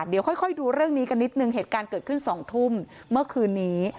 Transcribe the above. เดี๋ยวค่อยดูเรื่องนี้กันนิดนึงเหตุการณ์เกิดขึ้น๒ทุ่มเมื่อคืนนี้